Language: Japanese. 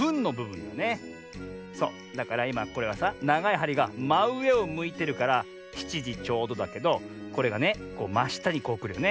そうだからいまこれはさながいはりがまうえをむいてるから７じちょうどだけどこれがねましたにこうくるよね。